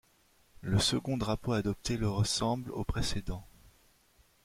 Le second drapeau adopté le ressemble au précédent.